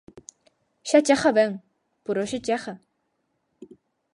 Xa chega ben; por hoxe chega.